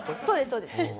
そうですそうです。